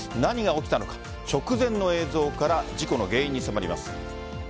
何が起きたのか、直前の映像から事故の原因に迫ります。